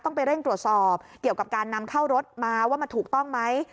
ไปเร่งตรวจสอบเกี่ยวกับการนำเข้ารถมาว่ามันถูกต้องไหม